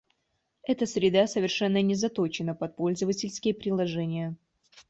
Эта среда совершенно не заточена под пользовательские приложения